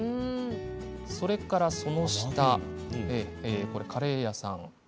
それからその下、カレー屋さん。